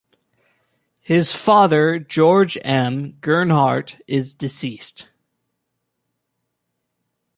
His father, George M. Gernhardt is deceased.